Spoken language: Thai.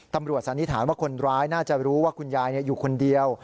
สันนิษฐานว่าคนร้ายน่าจะรู้ว่าคุณยายอยู่คนเดียว